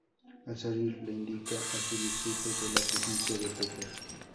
Al salir, le indica a su disfrute de la presencia de Peter.